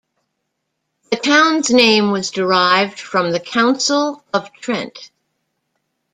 The town's name was derived from the Council of Trent.